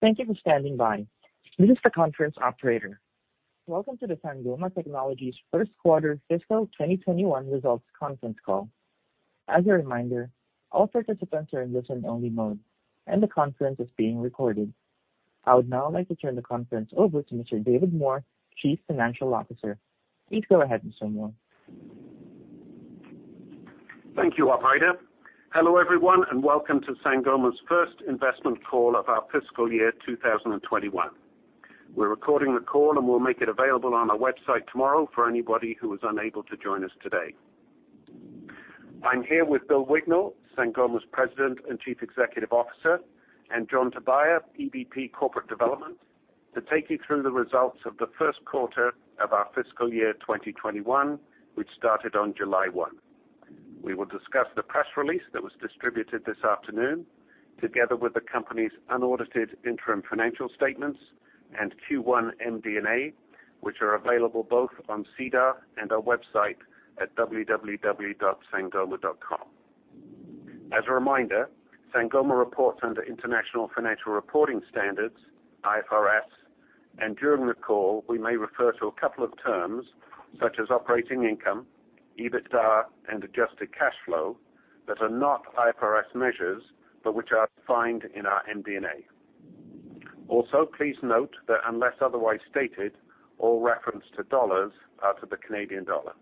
Thank you for standing by. This is the conference operator. Welcome to the Sangoma Technologies first quarter fiscal 2021 results conference call. As a reminder, all participants are in listen-only mode, and the conference is being recorded. I would now like to turn the conference over to Mr. David Moore, Chief Financial Officer. Please go ahead, Mr. Moore. Thank you, operator. Hello, everyone, and welcome to Sangoma's first investment call of our fiscal year 2021. We're recording the call, and we'll make it available on our website tomorrow for anybody who was unable to join us today. I'm here with Bill Wignall, Sangoma's President and Chief Executive Officer, and John Tobia, EVP Corporate Development, to take you through the results of the first quarter of our fiscal year 2021, which started on July 1. We will discuss the press release that was distributed this afternoon, together with the company's unaudited interim financial statements and Q1 MD&A, which are available both on SEDAR and our website at www.sangoma.com. As a reminder, Sangoma reports under International Financial Reporting Standards, IFRS, and during the call, we may refer to a couple of terms such as operating income, EBITDA, and adjusted cash flow that are not IFRS measures, but which are defined in our MD&A. Also, please note that unless otherwise stated, all reference to dollars are to the Canadian dollar.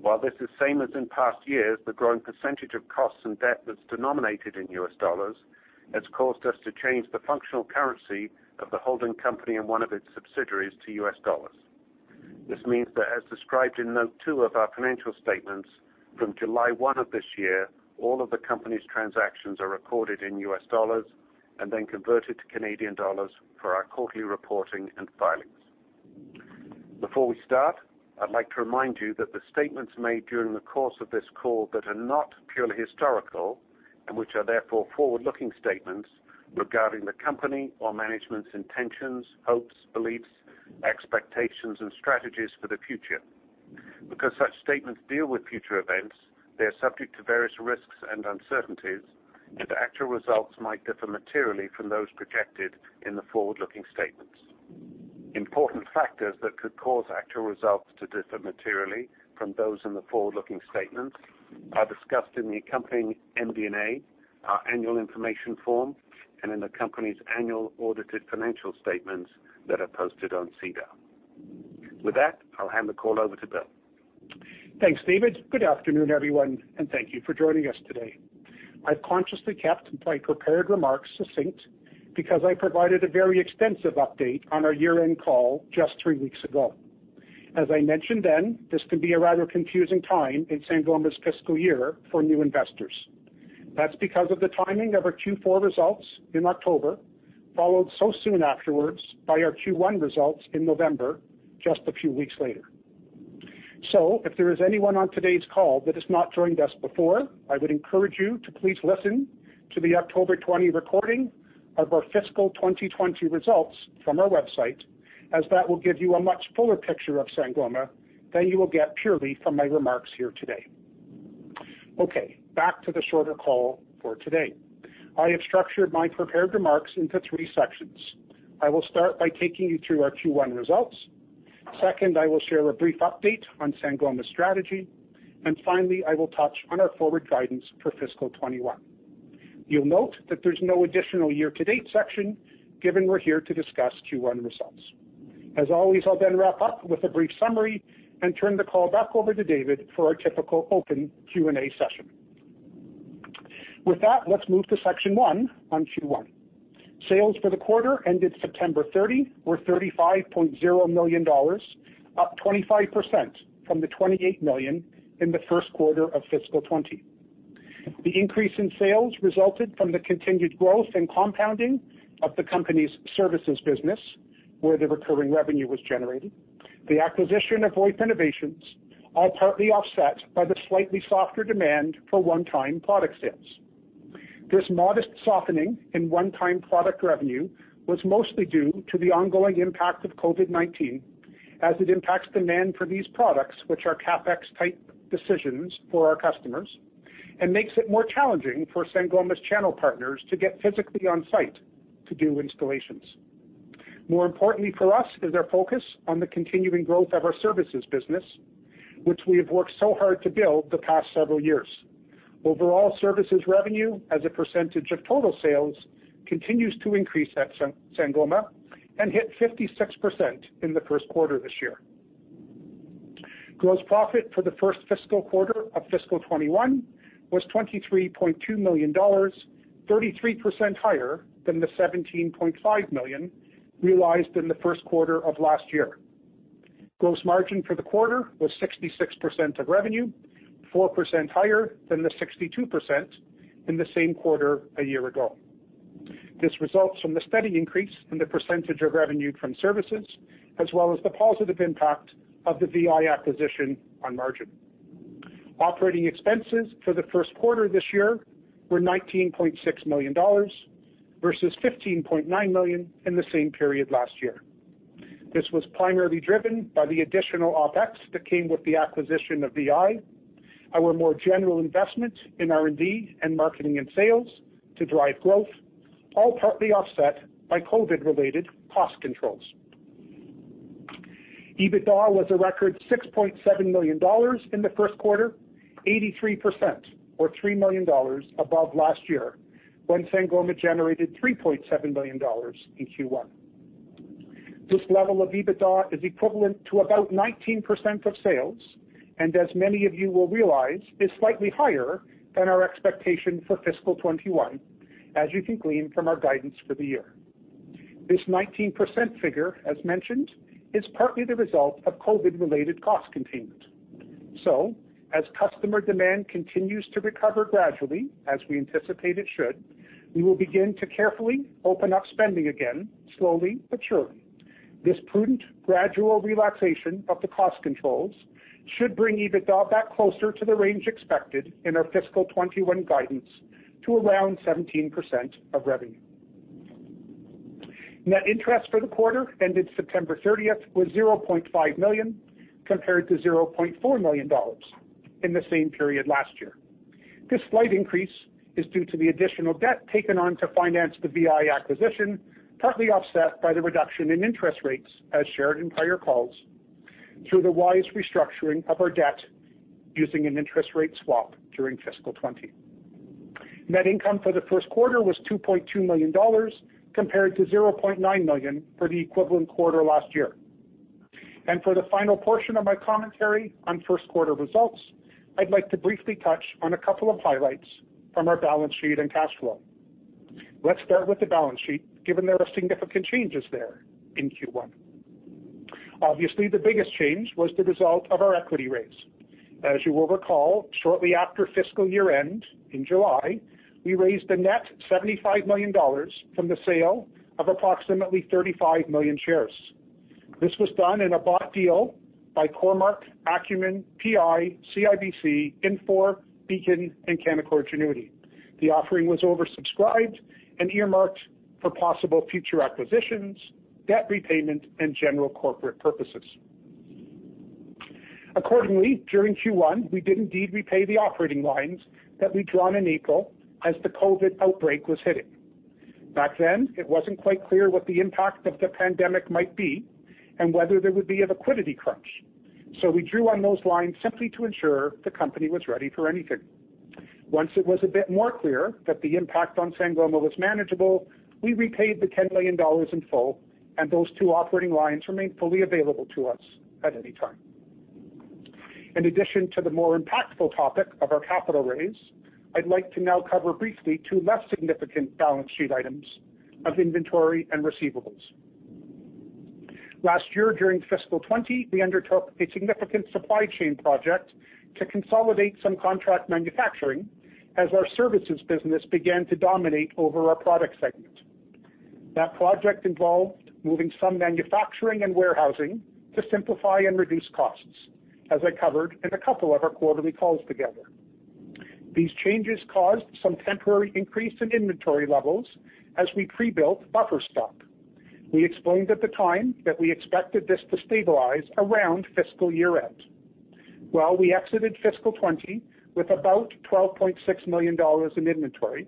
While this is same as in past years, the growing percentage of costs and debt that's denominated in U.S. dollars has caused us to change the functional currency of the holding company and one of its subsidiaries to U.S. dollars. This means that as described in note two of our financial statements from July 1 of this year, all of the company's transactions are recorded in U.S. dollars and then converted to Canadian dollars for our quarterly reporting and filings. Before we start, I'd like to remind you that the statements made during the course of this call that are not purely historical and which are therefore forward-looking statements regarding the company or management's intentions, hopes, beliefs, expectations, and strategies for the future. Because such statements deal with future events, they are subject to various risks and uncertainties, and actual results might differ materially from those projected in the forward-looking statements. Important factors that could cause actual results to differ materially from those in the forward-looking statements are discussed in the accompanying MD&A, our annual information form, and in the company's annual audited financial statements that are posted on SEDAR. With that, I'll hand the call over to Bill. Thanks, David. Good afternoon, everyone, and thank you for joining us today. I've consciously kept my prepared remarks succinct because I provided a very extensive update on our year-end call just three weeks ago. As I mentioned then, this can be a rather confusing time in Sangoma's fiscal year for new investors. That's because of the timing of our Q4 results in October, followed so soon afterwards by our Q1 results in November, just a few weeks later. If there is anyone on today's call that has not joined us before, I would encourage you to please listen to the October 20 recording of our fiscal 2020 results from our website, as that will give you a much fuller picture of Sangoma than you will get purely from my remarks here today. Okay, back to the shorter call for today. I have structured my prepared remarks into three sections. I will start by taking you through our Q1 results. Second, I will share a brief update on Sangoma's strategy, and finally, I will touch on our forward guidance for fiscal 2021. You'll note that there's no additional year-to-date section given we're here to discuss Q1 results. As always, I'll then wrap up with a brief summary and turn the call back over to David for our typical open Q&A session. With that, let's move to section one on Q1. Sales for the quarter ended September 30 were 35.0 million dollars, up 25% from the 28 million in the first quarter of fiscal 2020. The increase in sales resulted from the continued growth and compounding of the company's services business, where the recurring revenue was generated. The acquisition of VoIP Innovations are partly offset by the slightly softer demand for one-time product sales. This modest softening in one-time product revenue was mostly due to the ongoing impact of COVID-19 as it impacts demand for these products, which are CapEx type decisions for our customers and makes it more challenging for Sangoma's channel partners to get physically on site to do installations. More importantly for us is our focus on the continuing growth of our services business, which we have worked so hard to build the past several years. Overall services revenue as a percentage of total sales continues to increase at Sangoma and hit 56% in the first quarter this year. Gross profit for the first fiscal quarter of fiscal 2021 was 23.2 million dollars, 33% higher than the 17.5 million realized in the first quarter of last year. Gross margin for the quarter was 66% of revenue, 4% higher than the 62% in the same quarter a year ago. This results from the steady increase in the percentage of revenue from services, as well as the positive impact of the VI acquisition on margin. Operating expenses for the first quarter this year were 19.6 million dollars versus 15.9 million in the same period last year. This was primarily driven by the additional OpEx that came with the acquisition of VI, our more general investment in R&D and marketing and sales to drive growth, all partly offset by COVID-related cost controls. EBITDA was a record 6.7 million dollars in the first quarter, 83%, or 3 million dollars above last year, when Sangoma generated 3.7 million dollars in Q1. This level of EBITDA is equivalent to about 19% of sales, and as many of you will realize, is slightly higher than our expectation for fiscal 2021, as you can glean from our guidance for the year. This 19% figure, as mentioned, is partly the result of COVID-related cost containment. As customer demand continues to recover gradually as we anticipate it should, we will begin to carefully open up spending again, slowly but surely. This prudent, gradual relaxation of the cost controls should bring EBITDA back closer to the range expected in our fiscal 2021 guidance to around 17% of revenue. Net interest for the quarter ended September 30th was 0.5 million, compared to 0.4 million dollars in the same period last year. This slight increase is due to the additional debt taken on to finance the VI acquisition, partly offset by the reduction in interest rates, as shared in prior calls, through the wise restructuring of our debt using an interest rate swap during fiscal 2020. Net income for the first quarter was 2.2 million dollars, compared to 0.9 million for the equivalent quarter last year. For the final portion of my commentary on first quarter results, I'd like to briefly touch on a couple of highlights from our balance sheet and cash flow. Let's start with the balance sheet, given there are significant changes there in Q1. Obviously, the biggest change was the result of our equity raise. As you will recall, shortly after fiscal year-end in July, we raised a net 75 million dollars from the sale of approximately 35 million shares. This was done in a bought deal by Cormark, Acumen, PI, CIBC, INFOR, Beacon, and Canaccord Genuity. The offering was oversubscribed and earmarked for possible future acquisitions, debt repayment, and general corporate purposes. Accordingly, during Q1, we did indeed repay the operating lines that we'd drawn in April as the COVID outbreak was hitting. It wasn't quite clear what the impact of the pandemic might be and whether there would be a liquidity crunch. We drew on those lines simply to ensure the company was ready for anything. Once it was a bit more clear that the impact on Sangoma was manageable, we repaid the 10 million dollars in full, and those two operating lines remain fully available to us at any time. In addition to the more impactful topic of our capital raise, I'd like to now cover briefly two less significant balance sheet items of inventory and receivables. Last year, during fiscal 2020, we undertook a significant supply chain project to consolidate some contract manufacturing as our services business began to dominate over our product segment. That project involved moving some manufacturing and warehousing to simplify and reduce costs, as I covered in a couple of our quarterly calls together. These changes caused some temporary increase in inventory levels as we pre-built buffer stock. We explained at the time that we expected this to stabilize around fiscal year-end. Well, we exited fiscal 2020 with about 12.6 million dollars in inventory,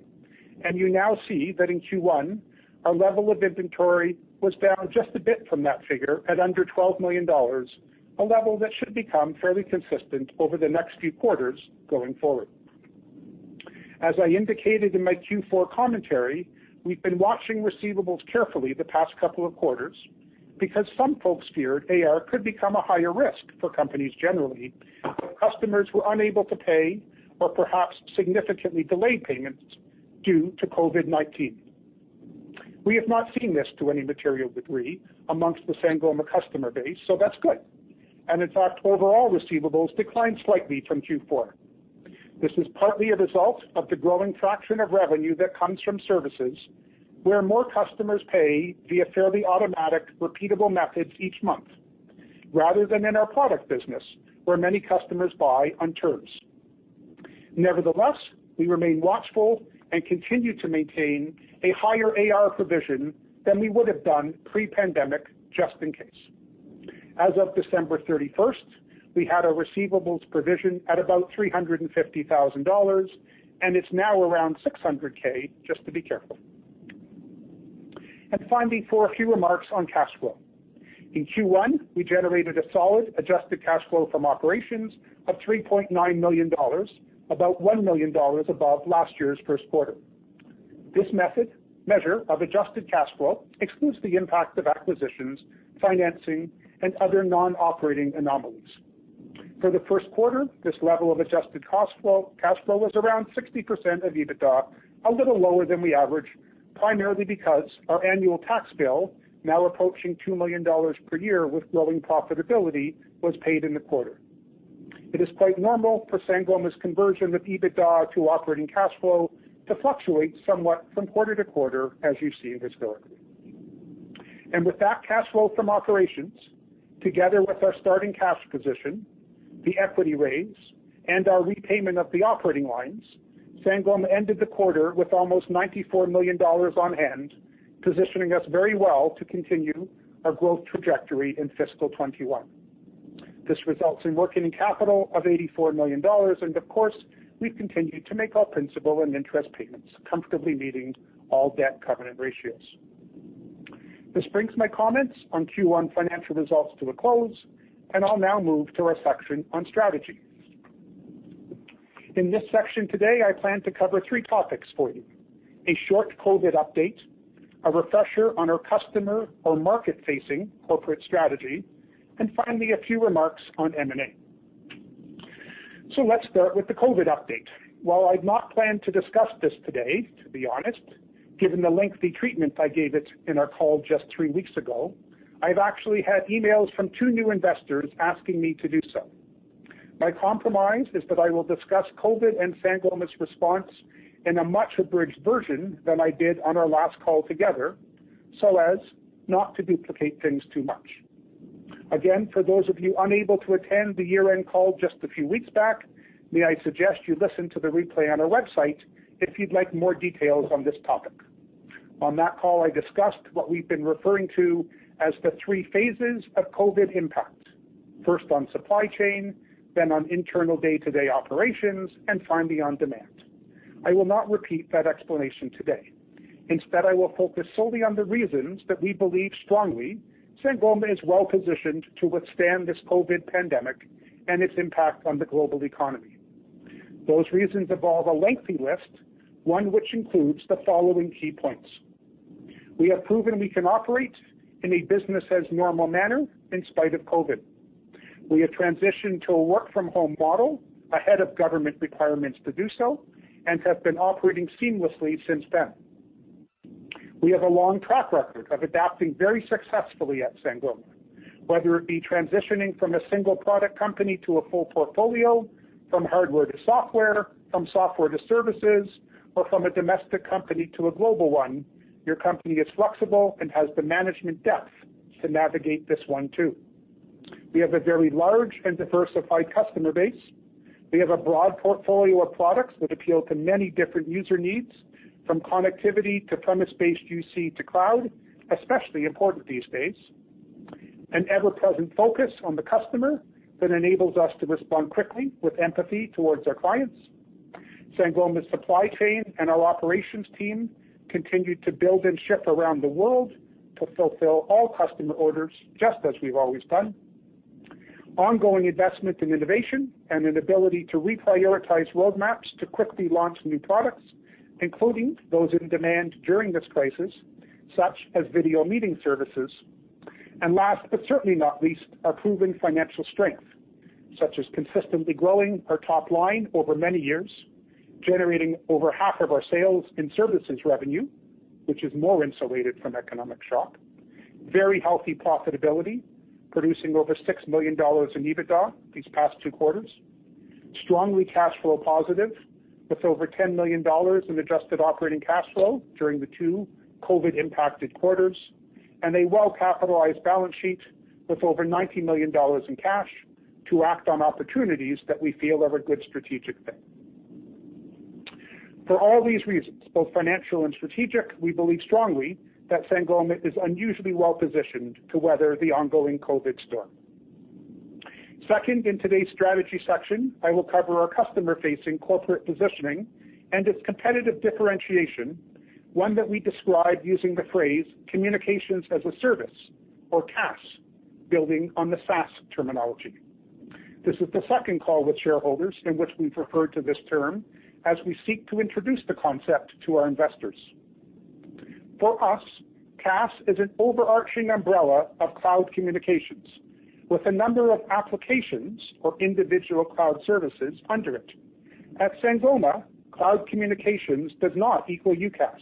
and you now see that in Q1, our level of inventory was down just a bit from that figure at under 12 million dollars, a level that should become fairly consistent over the next few quarters going forward. As I indicated in my Q4 commentary, we've been watching receivables carefully the past couple of quarters because some folks feared AR could become a higher risk for companies generally if customers were unable to pay or perhaps significantly delay payments due to COVID-19. We have not seen this to any material degree amongst the Sangoma customer base, so that's good. In fact, overall receivables declined slightly from Q4. This is partly a result of the growing fraction of revenue that comes from services where more customers pay via fairly automatic, repeatable methods each month. Rather than in our product business, where many customers buy on terms. Nevertheless, we remain watchful and continue to maintain a higher AR provision than we would have done pre-pandemic, just in case. As of December 31st, we had a receivables provision at about 350,000 dollars, and it's now around 600,000, just to be careful. Finally, for a few remarks on cash flow. In Q1, we generated a solid adjusted cash flow from operations of 3.9 million dollars, about 1 million dollars above last year's first quarter. This measure of adjusted cash flow excludes the impact of acquisitions, financing, and other non-operating anomalies. For the first quarter, this level of adjusted cash flow was around 60% of EBITDA, a little lower than we average, primarily because our annual tax bill, now approaching 2 million dollars per year with growing profitability, was paid in the quarter. It is quite normal for Sangoma's conversion of EBITDA to operating cash flow to fluctuate somewhat from quarter to quarter, as you see historically. With that cash flow from operations, together with our starting cash position, the equity raise, and our repayment of the operating lines, Sangoma ended the quarter with almost 94 million dollars on hand, positioning us very well to continue our growth trajectory in fiscal 2021. This results in working capital of 84 million dollars, and of course, we continue to make our principal and interest payments comfortably meeting all debt covenant ratios. This brings my comments on Q1 financial results to a close, and I'll now move to our section on strategy. In this section today, I plan to cover three topics for you, a short COVID update, a refresher on our customer or market-facing corporate strategy, and finally, a few remarks on M&A. Let's start with the COVID update. While I'd not planned to discuss this today, to be honest, given the lengthy treatment I gave it in our call just three weeks ago, I've actually had emails from two new investors asking me to do so. My compromise is that I will discuss COVID and Sangoma's response in a much-abridged version than I did on our last call together so as not to duplicate things too much. Again, for those of you unable to attend the year-end call just a few weeks back, may I suggest you listen to the replay on our website if you'd like more details on this topic. On that call, I discussed what we've been referring to as the three phases of COVID impact. First on supply chain, then on internal day-to-day operations, and finally, on demand. I will not repeat that explanation today. Instead, I will focus solely on the reasons that we believe strongly Sangoma is well-positioned to withstand this COVID pandemic and its impact on the global economy. Those reasons involve a lengthy list, one which includes the following key points. We have proven we can operate in a business as normal manner in spite of COVID. We have transitioned to a work-from-home model ahead of government requirements to do so, and have been operating seamlessly since then. We have a long track record of adapting very successfully at Sangoma, whether it be transitioning from a single-product company to a full portfolio, from hardware to software, from software to services, or from a domestic company to a global one. Your company is flexible and has the management depth to navigate this one, too. We have a very large and diversified customer base. We have a broad portfolio of products that appeal to many different user needs, from connectivity to premise-based UC to cloud, especially important these days. An ever-present focus on the customer that enables us to respond quickly with empathy towards our clients. Sangoma's supply chain and our operations team continued to build and ship around the world to fulfill all customer orders just as we've always done. Ongoing investment in innovation and an ability to reprioritize roadmaps to quickly launch new products, including those in demand during this crisis, such as video meeting services. Last, but certainly not least, our proven financial strength, such as consistently growing our top line over many years, generating over half of our sales in services revenue, which is more insulated from economic shock. Very healthy profitability, producing over 6 million dollars in EBITDA these past two quarters. Strongly cash flow positive, with over 10 million dollars in adjusted operating cash flow during the two COVID-impacted quarters. A well-capitalized balance sheet with over 90 million dollars in cash to act on opportunities that we feel are a good strategic fit. For all these reasons, both financial and strategic, we believe strongly that Sangoma is unusually well-positioned to weather the ongoing COVID storm. In today's strategy section, I will cover our customer-facing corporate positioning and its competitive differentiation, one that we describe using the phrase Communications as a Service or CaaS, building on the SaaS terminology. This is the second call with shareholders in which we've referred to this term as we seek to introduce the concept to our investors. For us, CaaS is an overarching umbrella of cloud communications with a number of applications or individual cloud services under it. At Sangoma, cloud communications does not equal UCaaS.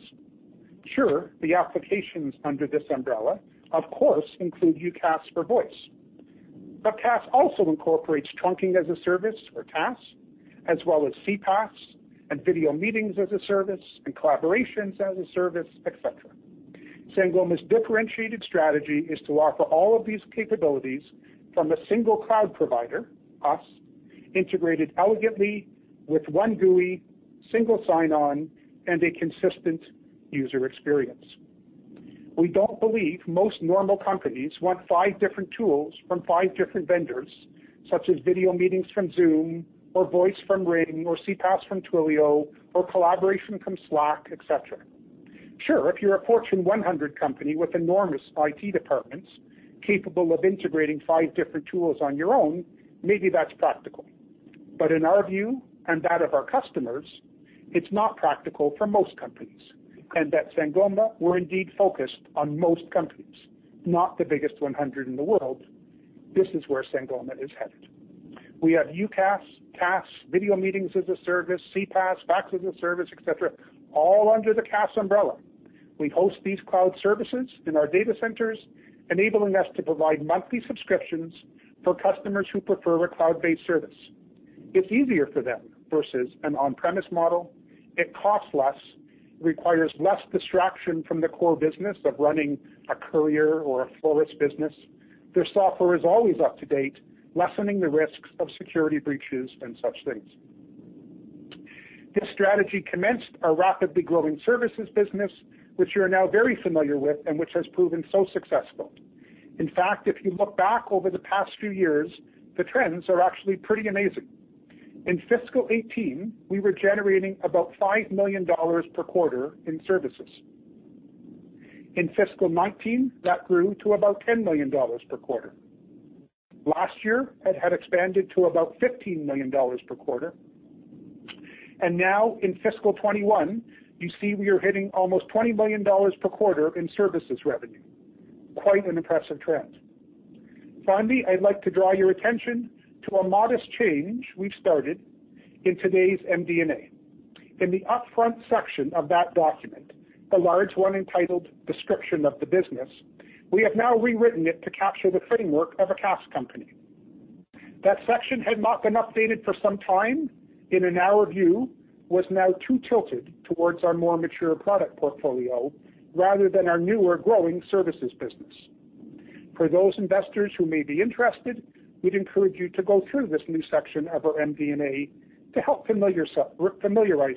Sure, the applications under this umbrella, of course, include UCaaS for voice. CaaS also incorporates Trunking as a Service or TaaS, as well as CPaaS and video meetings as a service and collaborations as a service, et cetera. Sangoma's differentiated strategy is to offer all of these capabilities from a single cloud provider, us, integrated elegantly with one GUI, single sign-on, and a consistent user experience. We don't believe most normal companies want five different tools from five different vendors, such as video meetings from Zoom or voice from Ring or CPaaS from Twilio or collaboration from Slack, et cetera. Sure, if you're a Fortune 100 company with enormous IT departments capable of integrating five different tools on your own, maybe that's practical. In our view and that of our customers, it's not practical for most companies, and at Sangoma, we're indeed focused on most companies, not the biggest 100 in the world. This is where Sangoma is headed. We have UCaaS, CaaS, video meetings as a service, CPaaS, fax as a service, et cetera, all under the CaaS umbrella. We host these cloud services in our data centers, enabling us to provide monthly subscriptions for customers who prefer a cloud-based service. It's easier for them versus an on-premise model. It costs less, requires less distraction from the core business of running a courier or a florist business. Their software is always up to date, lessening the risks of security breaches and such things. This strategy commenced our rapidly growing services business, which you are now very familiar with, and which has proven so successful. In fact, if you look back over the past few years, the trends are actually pretty amazing. In fiscal 2018, we were generating about 5 million dollars per quarter in services. In fiscal 2019, that grew to about 10 million dollars per quarter. Last year, it had expanded to about 15 million dollars per quarter. Now in fiscal 2021, you see we are hitting almost $20 million per quarter in services revenue. Quite an impressive trend. Finally, I'd like to draw your attention to a modest change we've started in today's MD&A. In the upfront section of that document, the large one entitled Description of the Business, we have now rewritten it to capture the framework of a CaaS company. That section had not been updated for some time, and in our view, was now too tilted towards our more mature product portfolio rather than our newer growing services business. For those investors who may be interested, we'd encourage you to go through this new section of our MD&A to help familiarize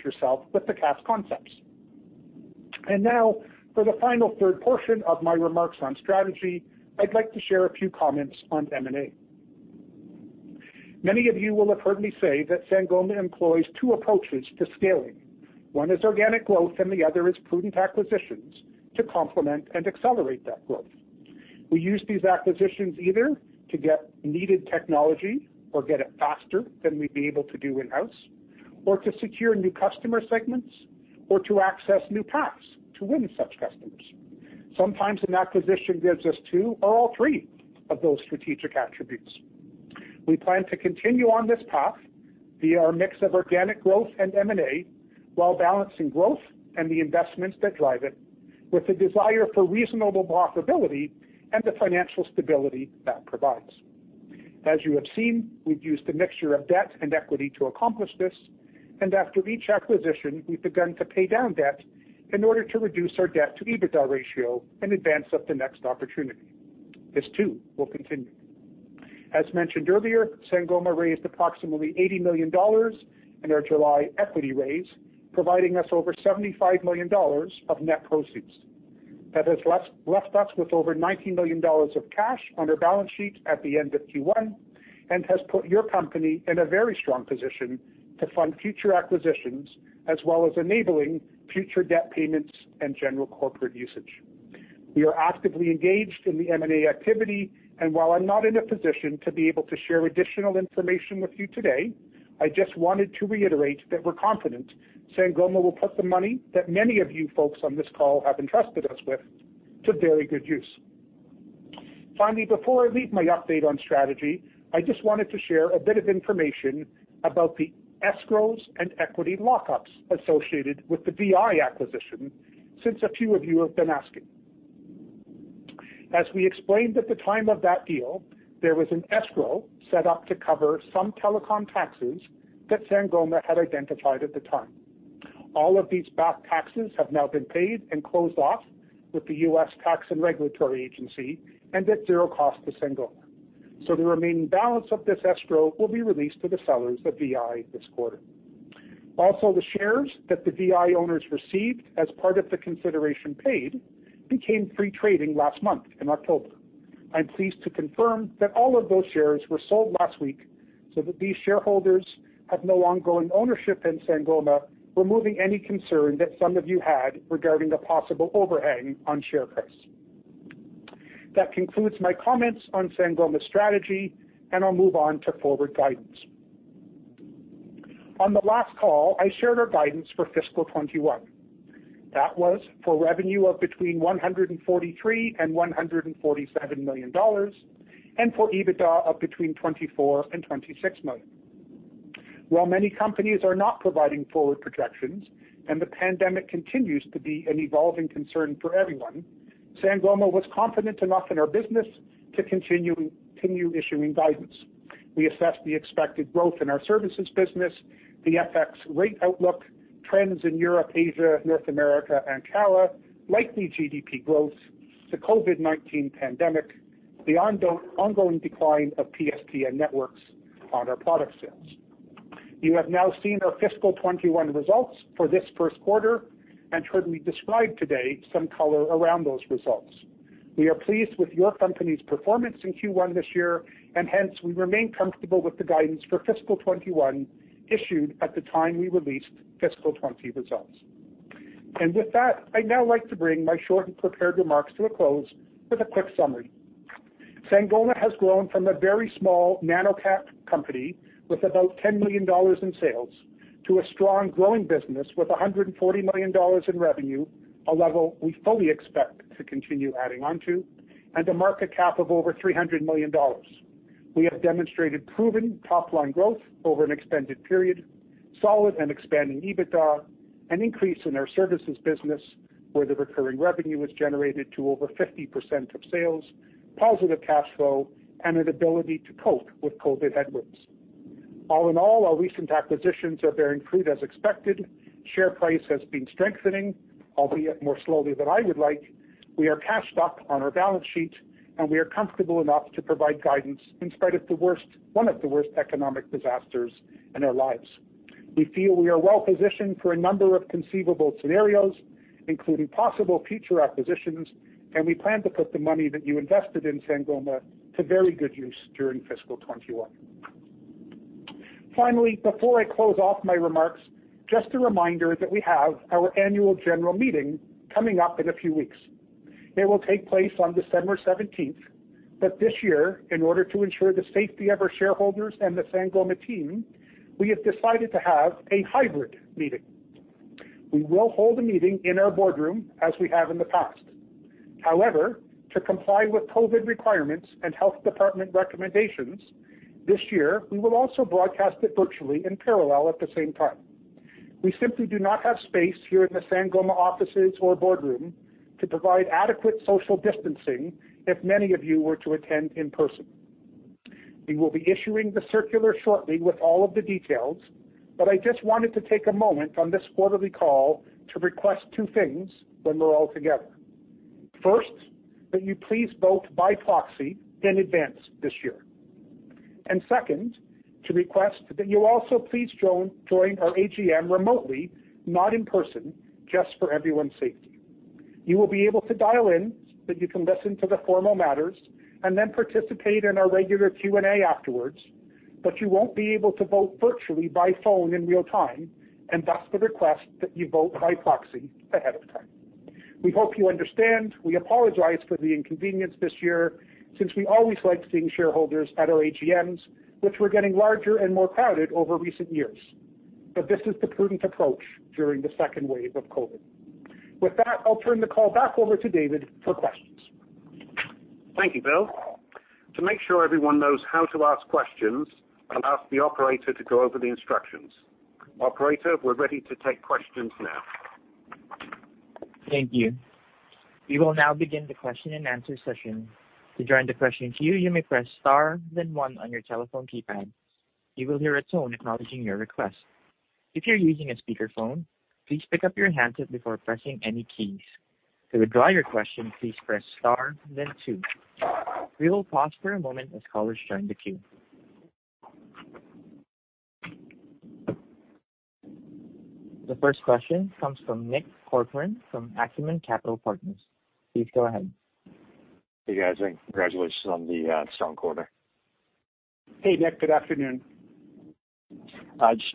yourself with the CaaS concepts. Now, for the final third portion of my remarks on strategy, I'd like to share a few comments on M&A. Many of you will have heard me say that Sangoma employs two approaches to scaling. One is organic growth and the other is prudent acquisitions to complement and accelerate that growth. We use these acquisitions either to get needed technology or get it faster than we'd be able to do in-house, or to secure new customer segments, or to access new paths to win such customers. Sometimes an acquisition gives us two or all three of those strategic attributes. We plan to continue on this path via our mix of organic growth and M&A while balancing growth and the investments that drive it with a desire for reasonable profitability and the financial stability that provides. As you have seen, we've used a mixture of debt and equity to accomplish this, and after each acquisition, we've begun to pay down debt in order to reduce our debt to EBITDA ratio in advance of the next opportunity. This too will continue. As mentioned earlier, Sangoma raised approximately 80 million dollars in our July equity raise, providing us over 75 million dollars of net proceeds. That has left us with over 90 million dollars of cash on our balance sheet at the end of Q1, and has put your company in a very strong position to fund future acquisitions, as well as enabling future debt payments and general corporate usage. We are actively engaged in the M&A activity. While I'm not in a position to be able to share additional information with you today, I just wanted to reiterate that we're confident Sangoma will put the money that many of you folks on this call have entrusted us with to very good use. Before I leave my update on strategy, I just wanted to share a bit of information about the escrows and equity lock-ups associated with the VI acquisition since a few of you have been asking. As we explained at the time of that deal, there was an escrow set up to cover some telecom taxes that Sangoma had identified at the time. All of these back taxes have now been paid and closed off with the U.S. Tax and Regulatory Agency and at zero cost to Sangoma. The remaining balance of this escrow will be released to the sellers of VI this quarter. Also, the shares that the VI owners received as part of the consideration paid became free trading last month in October. I'm pleased to confirm that all of those shares were sold last week so that these shareholders have no ongoing ownership in Sangoma, removing any concern that some of you had regarding a possible overhang on share price. That concludes my comments on Sangoma's strategy, and I'll move on to forward guidance. On the last call, I shared our guidance for fiscal 2021. That was for revenue of between 143 million and 147 million dollars, and for EBITDA of between 24 million and 26 million. While many companies are not providing forward projections and the pandemic continues to be an evolving concern for everyone, Sangoma was confident enough in our business to continue issuing guidance. We assessed the expected growth in our services business, the FX rate outlook, trends in Europe, Asia, North America, and CALA, likely GDP growth, the COVID-19 pandemic, the ongoing decline of PSTN networks on our product sales. You have now seen our fiscal 2021 results for this first quarter and heard me describe today some color around those results. We are pleased with your company's performance in Q1 this year, and hence, we remain comfortable with the guidance for fiscal 2021 issued at the time we released fiscal 2020 results. With that, I'd now like to bring my short and prepared remarks to a close with a quick summary. Sangoma has grown from a very small nano cap company with about 10 million dollars in sales to a strong growing business with 140 million dollars in revenue, a level we fully expect to continue adding on to, and a market cap of over 300 million dollars. We have demonstrated proven top-line growth over an extended period. Solid and expanding EBITDA, an increase in our services business where the recurring revenue was generated to over 50% of sales, positive cash flow, and an ability to cope with COVID headwinds. All in all, our recent acquisitions are bearing fruit as expected. Share price has been strengthening, albeit more slowly than I would like. We are cashed up on our balance sheet, and we are comfortable enough to provide guidance in spite of one of the worst economic disasters in our lives. We feel we are well-positioned for a number of conceivable scenarios, including possible future acquisitions, and we plan to put the money that you invested in Sangoma to very good use during fiscal 2021. Finally, before I close off my remarks, just a reminder that we have our annual general meeting coming up in a few weeks. It will take place on December 17th. This year, in order to ensure the safety of our shareholders and the Sangoma team, we have decided to have a hybrid meeting. We will hold a meeting in our boardroom as we have in the past. However, to comply with COVID requirements and health department recommendations, this year, we will also broadcast it virtually in parallel at the same time. We simply do not have space here in the Sangoma offices or boardroom to provide adequate social distancing if many of you were to attend in person. We will be issuing the circular shortly with all of the details, but I just wanted to take a moment on this quarterly call to request two things when we're all together. First, that you please vote by proxy in advance this year, and second, to request that you also please join our AGM remotely, not in person, just for everyone's safety. You will be able to dial in so that you can listen to the formal matters and then participate in our regular Q&A afterwards, but you won't be able to vote virtually by phone in real time, and thus the request that you vote by proxy ahead of time. We hope you understand. We apologize for the inconvenience this year since we always like seeing shareholders at our AGMs, which were getting larger and more crowded over recent years. This is the prudent approach during the second wave of COVID. With that, I'll turn the call back over to David for questions. Thank you, Bill. To make sure everyone knows how to ask questions, I'll ask the operator to go over the instructions. Operator, we're ready to take questions now. Thank you. We will now begin the question and answer session. To join the question queue, you may press star then one on your telephone keypad. You will hear a tone acknowledging your request. If you're using a speakerphone, please pick up your handset before pressing any keys. To withdraw your question, please press star then two. We will pause for a moment as callers join the queue. The first question comes from Nick Corcoran from Acumen Capital Partners. Please go ahead. Hey, guys, congratulations on the strong quarter. Hey, Nick. Good afternoon.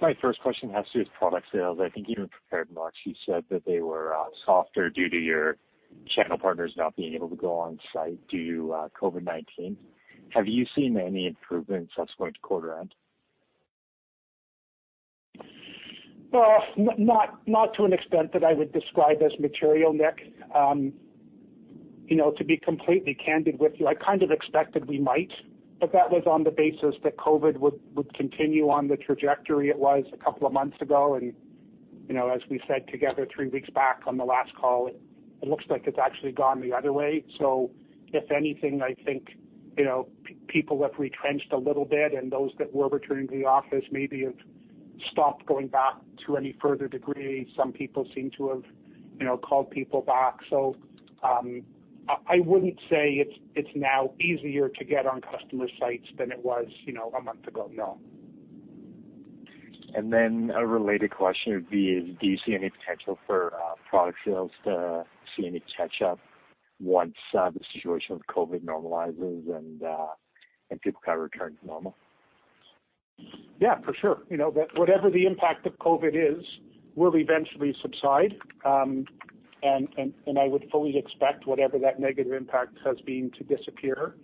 My first question has to do with product sales. I think you were prepared much. You said that they were softer due to your channel partners not being able to go on site due to COVID-19. Have you seen any improvements subsequent to quarter end? Not to an extent that I would describe as material, Nick. To be completely candid with you, I kind of expected we might, but that was on the basis that COVID would continue on the trajectory it was a couple of months ago. As we said together three weeks back on the last call, it looks like it's actually gone the other way. If anything, I think people have retrenched a little bit and those that were returning to the office maybe have stopped going back to any further degree. Some people seem to have called people back. I wouldn't say it's now easier to get on customer sites than it was a month ago, no. A related question would be, do you see any potential for product sales to see any catch-up once the situation with COVID normalizes and people kind of return to normal? Yeah, for sure. Whatever the impact of COVID is will eventually subside, and I would fully expect whatever that negative impact has been to disappear.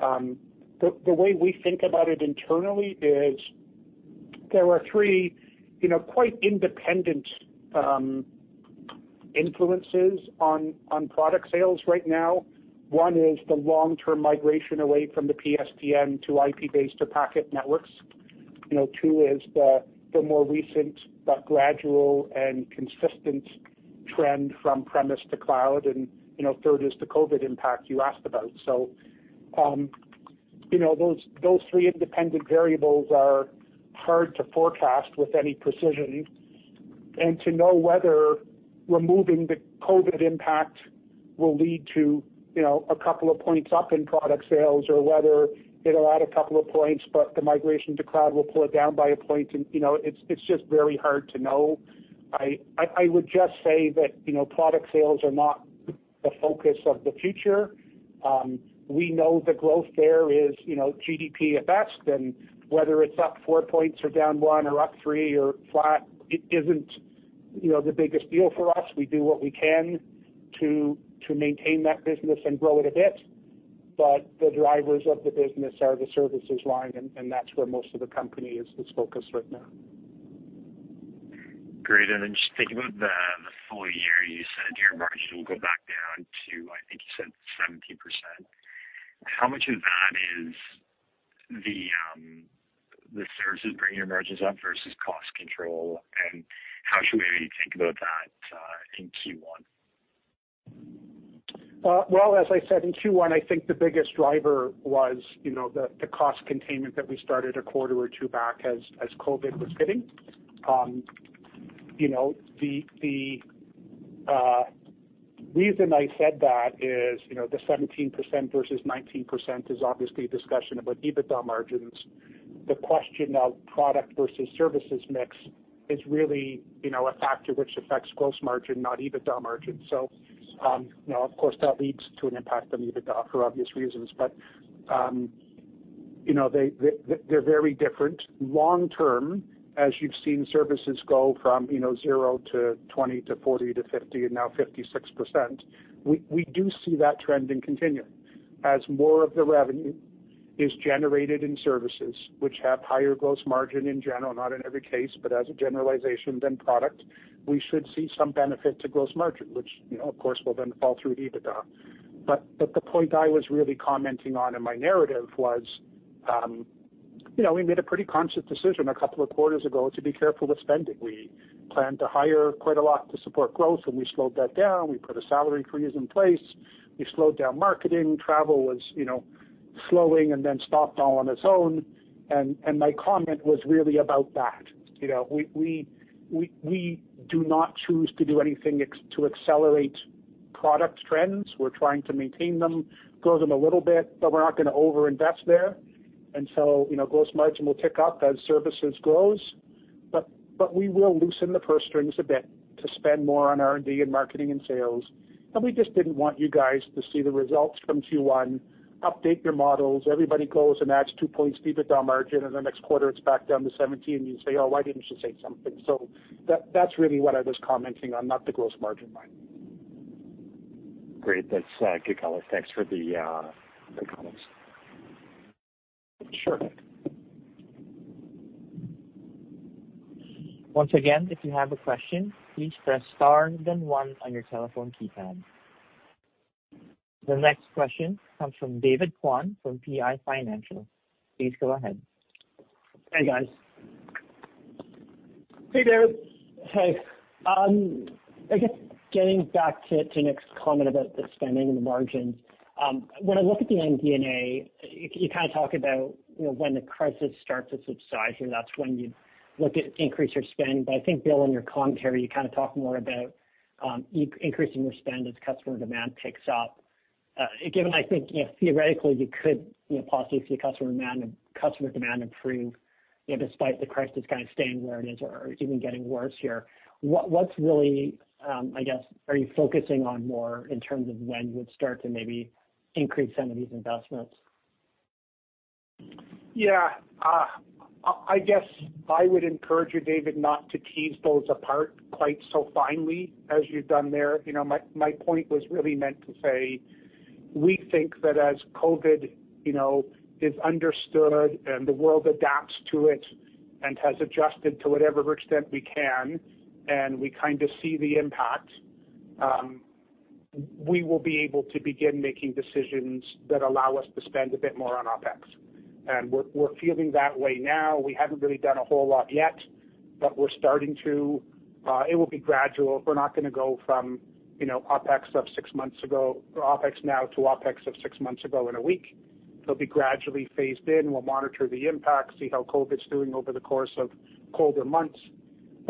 The way we think about it internally is there are three quite independent influences on product sales right now. One is the long-term migration away from the PSTN to IP-based or packet networks. Two is the more recent but gradual and consistent trend from premise to cloud. Third is the COVID impact you asked about. Those three independent variables are hard to forecast with any precision. To know whether removing the COVID impact will lead to a couple of points up in product sales or whether it'll add a couple of points, but the migration to cloud will pull it down by a point. It's just very hard to know. I would just say that product sales are not the focus of the future. We know the growth there is GDP at best, and whether it is up four points or down one or up three or flat, it is not the biggest deal for us. We do what we can to maintain that business and grow it a bit. The drivers of the business are the services line, and that is where most of the company is focused right now. Great. Just thinking about the full year, you said your margin will go back down to, I think you said 17%. How much of that is the services bringing your margins up versus cost control, and how should we maybe think about that in Q1? As I said, in Q1, I think the biggest driver was the cost containment that we started a quarter or two back as COVID was hitting. The reason I said that is, the 17% versus 19% is obviously a discussion about EBITDA margins. The question of product versus services mix is really a factor which affects gross margin, not EBITDA margin. Of course, that leads to an impact on EBITDA for obvious reasons. They're very different. Long term, as you've seen services go from 0 to 20% to 40% to 50%, and now 56%, we do see that trending continuing. As more of the revenue is generated in services which have higher gross margin in general, not in every case, but as a generalization, than product, we should see some benefit to gross margin, which, of course, will then fall through to EBITDA. The point I was really commenting on in my narrative was, we made a pretty conscious decision a couple of quarters ago to be careful with spending. We planned to hire quite a lot to support growth, and we slowed that down. We put a salary freeze in place. We slowed down marketing. Travel was slowing and then stopped all on its own. My comment was really about that. We do not choose to do anything to accelerate product trends. We're trying to maintain them, grow them a little bit, but we're not going to over-invest there. Gross margin will tick up as services grows, but we will loosen the purse strings a bit to spend more on R&D and marketing and sales. We just didn't want you guys to see the results from Q1, update your models, everybody goes and adds 2 points EBITDA margin, and the next quarter it's back down to 17, and you say, "Oh, why didn't you say something?" That's really what I was commenting on, not the gross margin line. Great. That's good color. Thanks for the comments. Sure. Once again, if you have a question, please press star then one on your telephone keypad. The next question comes from David Kwan from PI Financial. Please go ahead. Hey, guys. Hey, David. Hey. I guess getting back to Nick's comment about the spending and the margins. When I look at the MD&A, you kind of talk about when the crisis starts to subside, and that's when you look at increase your spending. I think, Bill, in your commentary, you kind of talk more about increasing your spend as customer demand picks up. Given, I think, theoretically you could possibly see customer demand improve despite the crisis kind of staying where it is or even getting worse here. What's really, I guess, are you focusing on more in terms of when you would start to maybe increase some of these investments? Yeah. I guess I would encourage you, David, not to tease those apart quite so finely as you've done there. My point was really meant to say, we think that as COVID is understood and the world adapts to it and has adjusted to whatever extent we can, and we kind of see the impact, we will be able to begin making decisions that allow us to spend a bit more on OpEx. We're feeling that way now. We haven't really done a whole lot yet, but we're starting to. It will be gradual. We're not going to go from OpEx now to OpEx of six months ago in a week. It'll be gradually phased in. We'll monitor the impact, see how COVID's doing over the course of colder months.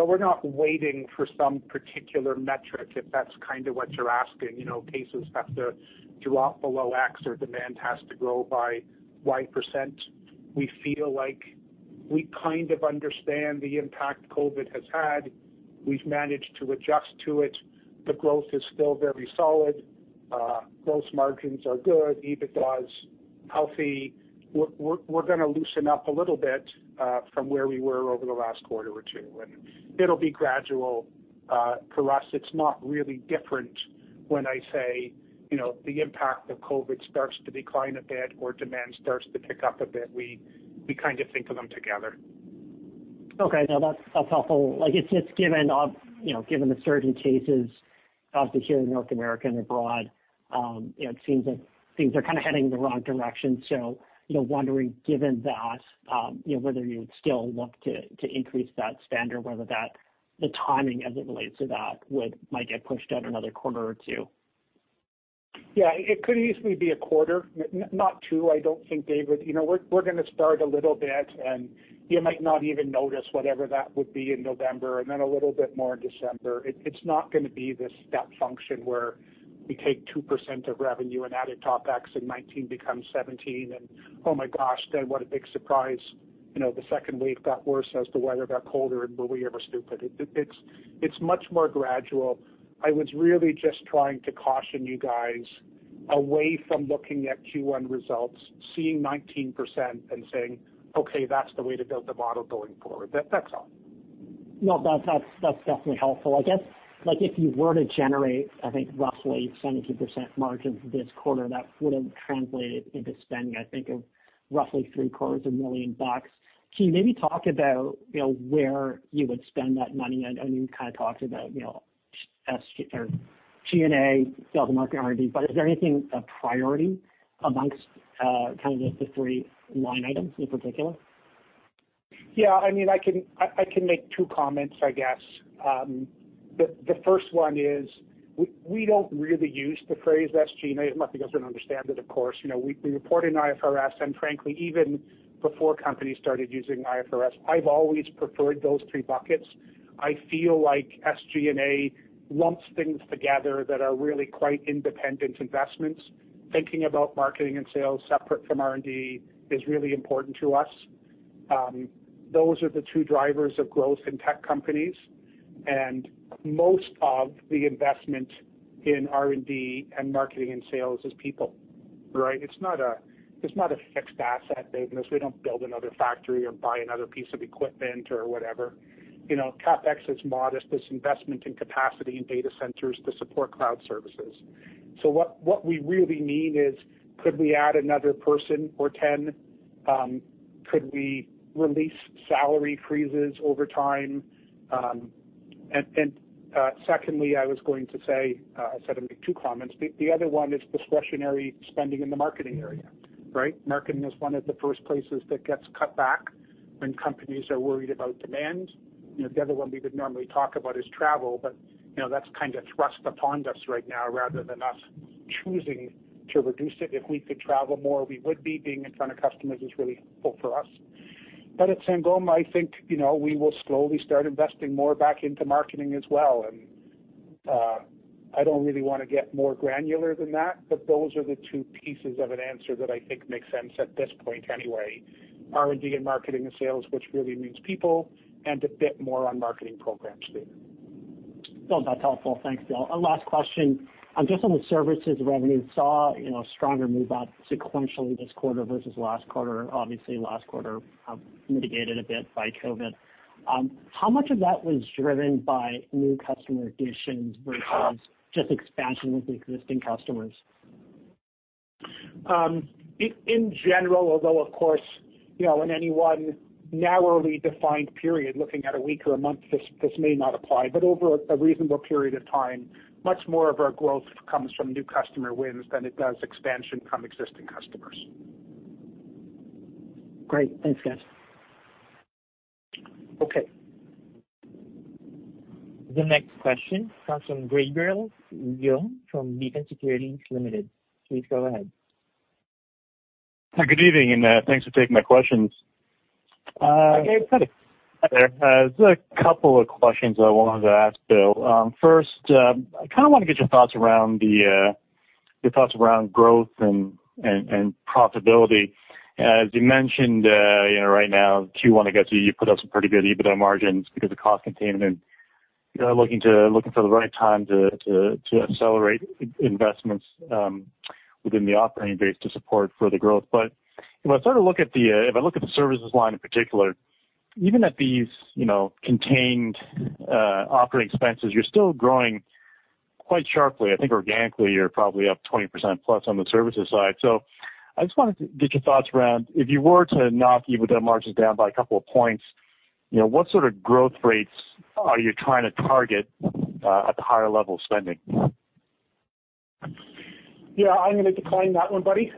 We're not waiting for some particular metric, if that's kind of what you're asking. Cases have to drop below X or demand has to grow by Y%. We feel like we kind of understand the impact COVID has had. We've managed to adjust to it. The growth is still very solid. Gross margins are good. EBITDA is healthy. We're going to loosen up a little bit from where we were over the last quarter or two, and it'll be gradual. For us, it's not really different when I say the impact of COVID starts to decline a bit or demand starts to pick up a bit. We kind of think of them together. Okay. No, that's helpful. I guess just given the surge in cases, obviously here in North America and abroad, it seems that things are kind of heading in the wrong direction. Wondering, given that, whether you would still look to increase that spend or whether the timing as it relates to that might get pushed out another quarter or two? Yeah, it could easily be a quarter, not two, I don't think, David. We're going to start a little bit, and you might not even notice whatever that would be in November, and then a little bit more in December. It's not going to be this step function where we take 2% of revenue and add it to OpEx and 19 becomes 17, and oh my gosh, Dave, what a big surprise. The second wave got worse as the weather got colder and were we ever stupid. It's much more gradual. I was really just trying to caution you guys away from looking at Q1 results, seeing 19% and saying, "Okay, that's the way to build the model going forward." That's all. No, that's definitely helpful. I guess, if you were to generate, I think roughly 17% margins this quarter, that would have translated into spending, I think of roughly three quarters of a million bucks. Can you maybe talk about where you would spend that money? I know you kind of talked about SG or G&A, sales and marketing, R&D, is there anything a priority amongst kind of the three line items in particular? Yeah, I can make two comments, I guess. The first one is we don't really use the phrase SG&A. Not because we don't understand it, of course. We report in IFRS, and frankly, even before companies started using IFRS, I've always preferred those three buckets. I feel like SG&A lumps things together that are really quite independent investments. Thinking about marketing and sales separate from R&D is really important to us. Those are the two drivers of growth in tech companies, and most of the investment in R&D and marketing and sales is people, right? It's not a fixed asset business. We don't build another factory or buy another piece of equipment or whatever. CapEx is modest. It's investment in capacity in data centers to support cloud services. What we really mean is could we add another person or 10? Could we release salary freezes over time? Secondly, I was going to say, I said I'd make two comments. The other one is discretionary spending in the marketing area, right? Marketing is one of the first places that gets cut back when companies are worried about demand. The other one we would normally talk about is travel, but that's kind of thrust upon us right now rather than us choosing to reduce it. If we could travel more, we would be. Being in front of customers is really helpful for us. At Sangoma, I think, we will slowly start investing more back into marketing as well, and I don't really want to get more granular than that. Those are the two pieces of an answer that I think makes sense at this point anyway. R&D and marketing and sales, which really means people, and a bit more on marketing programs there. Bill, that's helpful. Thanks, Bill. Last question, just on the services revenue, saw stronger move-up sequentially this quarter versus last quarter. Obviously last quarter mitigated a bit by COVID-19. How much of that was driven by new customer additions versus just expansion with existing customers? In general, although, of course, in any one narrowly defined period, looking at a week or a month, this may not apply, but over a reasonable period of time, much more of our growth comes from new customer wins than it does expansion from existing customers. Great. Thanks, guys. Okay. The next question comes from Gabriel Leung from Beacon Securities Limited. Please go ahead. Good evening, and thanks for taking my questions. Hey, Gabe. Hi there. Just a couple of questions I wanted to ask, Bill. First, I kind of want to get your thoughts around growth and profitability. As you mentioned, right now, Q1, I guess, you put up some pretty good EBITDA margins because of cost containment. Looking for the right time to accelerate investments within the operating base to support further growth. When I look at the services line in particular, even at these contained operating expenses, you're still growing quite sharply. I think organically you're probably up 20%+ on the services side. I just wanted to get your thoughts around if you were to knock EBITDA margins down by a couple of points, what sort of growth rates are you trying to target at the higher level of spending? Yeah, I'm going to decline that one, Gabe.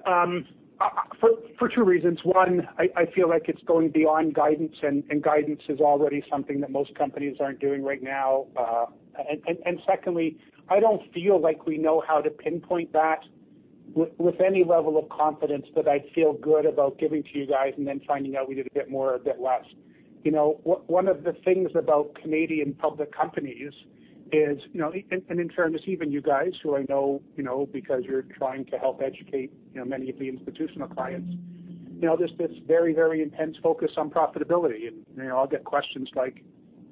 For two reasons. One, I feel like it's going beyond guidance. Guidance is already something that most companies aren't doing right now. Secondly, I don't feel like we know how to pinpoint that with any level of confidence that I'd feel good about giving to you guys and then finding out we did a bit more or a bit less. One of the things about Canadian public companies is, in fairness, even you guys who I know because you're trying to help educate many of the institutional clients, there's this very intense focus on profitability. I'll get questions like,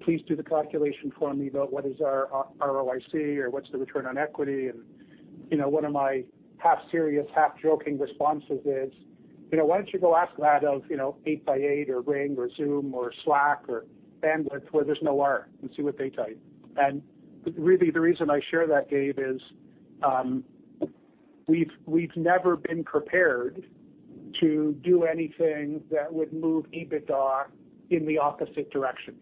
"Please do the calculation for me about what is our ROIC or what's the return on equity?" One of my half-serious, half-joking responses is, "Why don't you go ask that of 8x8, or Ring, or Zoom, or Slack, or Bandwidth where there's no R and see what they tell you?" Really the reason I share that, Gabe, is we've never been prepared to do anything that would move EBITDA in the opposite direction.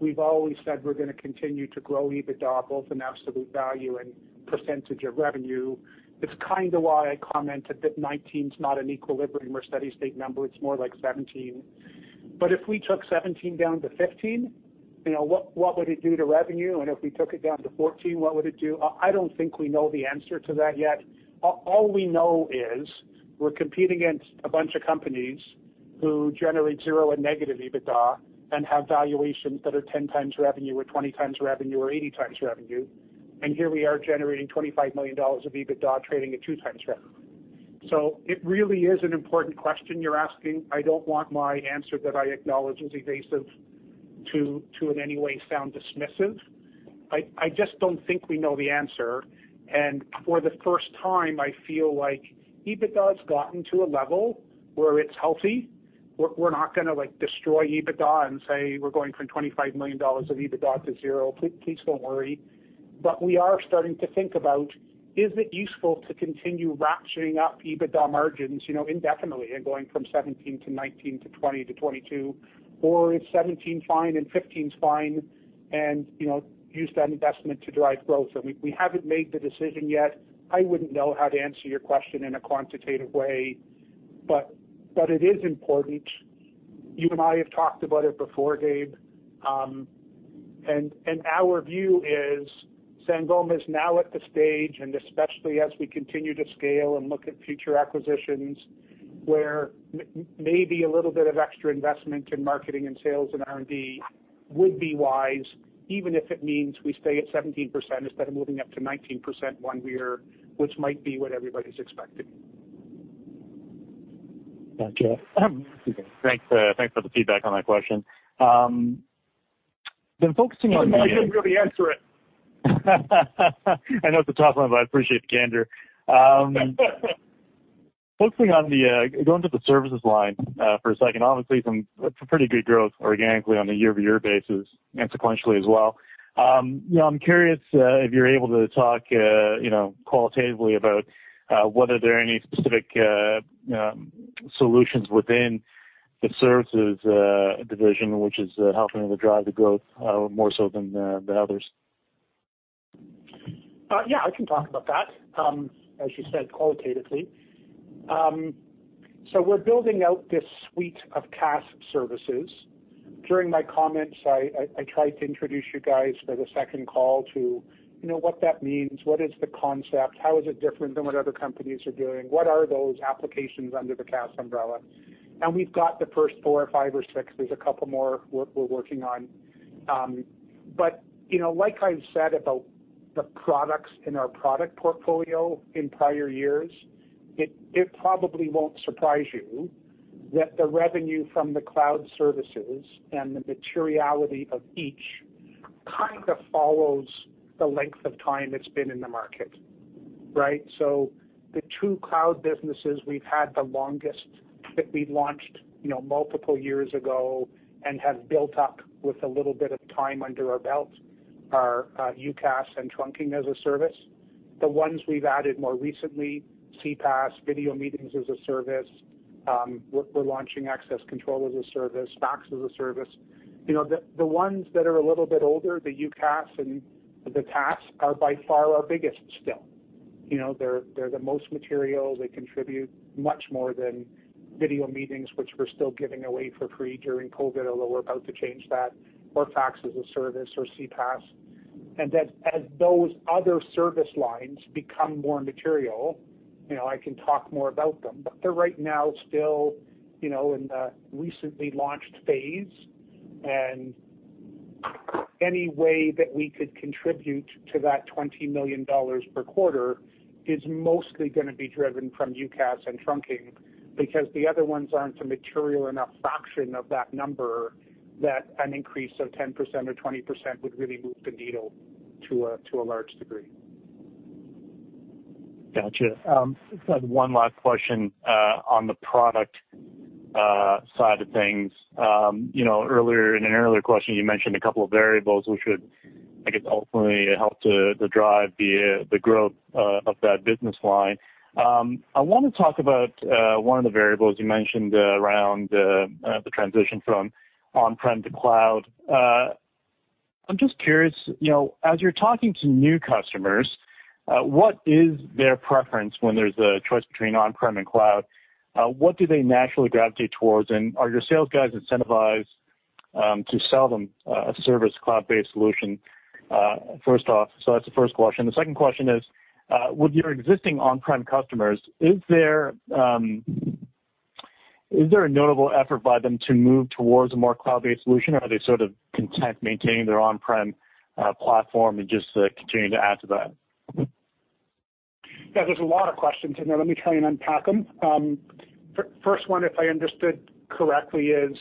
We've always said we're going to continue to grow EBITDA both in absolute value and percentage of revenue. It's kind of why I commented that 2019 is not an equilibrium or steady-state number. It's more like 2017. If we took 2017 down to 2015, what would it do to revenue? If we took it down to 2014, what would it do? I don't think we know the answer to that yet. All we know is we're competing against a bunch of companies who generate zero and negative EBITDA and have valuations that are 10x revenue or 20x revenue or 80x revenue. Here we are generating 25 million dollars of EBITDA trading at 2x revenue. It really is an important question you're asking. I don't want my answer that I acknowledge was evasive to in any way sound dismissive. I just don't think we know the answer. For the first time, I feel like EBITDA's gotten to a level where it's healthy. We're not going to destroy EBITDA and say we're going from 25 million dollars of EBITDA to zero. Please don't worry. We are starting to think about is it useful to continue ratcheting up EBITDA margins indefinitely and going from 17 to 19 to 20 to 22, or is 17 fine and 15's fine, and use that investment to drive growth? We haven't made the decision yet. I wouldn't know how to answer your question in a quantitative way, but it is important. You and I have talked about it before, Gabe. Our view is Sangoma is now at the stage, and especially as we continue to scale and look at future acquisitions, where maybe a little bit of extra investment in marketing and sales and R&D would be wise, even if it means we stay at 17% instead of moving up to 19% one year, which might be what everybody's expecting. Gotcha. Excuse me. Thanks for the feedback on that question. I didn't really answer it. I know it's a tough one, but I appreciate the candor. Focusing on the, going to the services line for a second, obviously some pretty good growth organically on a year-over-year basis and sequentially as well. I'm curious if you're able to talk qualitatively about whether there are any specific solutions within the services division which is helping to drive the growth more so than the others. Yeah, I can talk about that, as you said, qualitatively. We're building out this suite of CaaS services. During my comments, I tried to introduce you guys for the second call to what that means, what is the concept, how is it different than what other companies are doing, what are those applications under the CaaS umbrella? We've got the first four or five or six. There's a couple more we're working on. Like I've said about the products in our product portfolio in prior years, it probably won't surprise you that the revenue from the cloud services and the materiality of each kind of follows the length of time it's been in the market. Right? The two cloud businesses we've had the longest that we've launched multiple years ago and have built up with a little bit of time under our belt are UCaaS and Trunking as a service. The ones we've added more recently, CPaaS, video meetings as a service, we're launching access control as a service, fax as a service. The ones that are a little bit older, the UCaaS and the CaaS are by far our biggest still. They're the most material. They contribute much more than video meetings, which we're still giving away for free during COVID, although we're about to change that, or fax as a service or CPaaS. As those other service lines become more material, I can talk more about them. They're right now still in the recently launched phase, any way that we could contribute to that 20 million dollars per quarter is mostly going to be driven from UCaaS and Trunking because the other ones aren't a material enough fraction of that number that an increase of 10% or 20% would really move the needle to a large degree. Gotcha. Just had one last question on the product side of things. In an earlier question, you mentioned a couple of variables which would, I guess, ultimately help to drive the growth of that business line. I want to talk about one of the variables you mentioned around the transition from on-prem to cloud. I'm just curious, as you're talking to new customers, what is their preference when there's a choice between on-prem and cloud? What do they naturally gravitate towards, and are your sales guys incentivized to sell them a service cloud-based solution first off? That's the first question. The second question is, with your existing on-prem customers, is there a notable effort by them to move towards a more cloud-based solution, or are they sort of content maintaining their on-prem platform and just continuing to add to that? Yeah, there's a lot of questions in there. Let me try and unpack them. First one, if I understood correctly, is